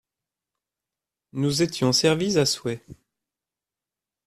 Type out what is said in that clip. Nous étions servis à souhait.